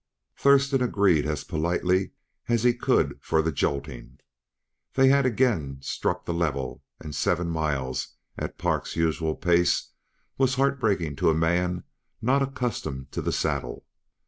Thurston agreed as politely as he could for the jolting. They had again struck the level and seven miles, at Park's usual pace, was heartbreaking to a man not accustomed to the saddle.